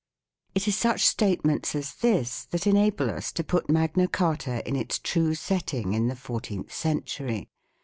It is such statements as this that enable us to put Magna Carta in its true setting in the fourteenth century.